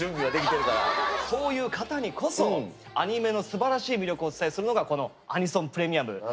ただあのそういう方にこそアニメのすばらしい魅力をお伝えするのがこの「アニソン！プレミアム！」